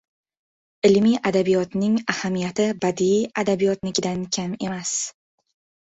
Ilmiy adabiyotning ahamiyati badiiy adabiyotnikidan kam emas.